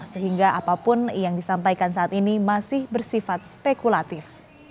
sehingga apapun yang disampaikan saat ini masih bersifat spekulatif